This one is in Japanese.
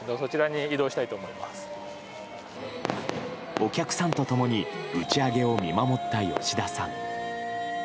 お客さんと共に打ち上げを見守った吉田さん。